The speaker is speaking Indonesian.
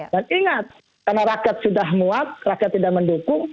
dan ingat karena rakyat sudah muat rakyat tidak mendukung